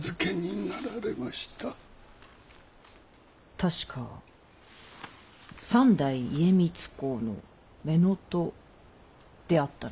確か三代家光公の乳母であったな。